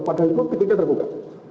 padahal itu pintunya terbuka